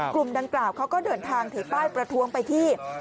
กลุ่มดังกล่าวเขาก็เดินทางถือป้ายประท้วงไปที่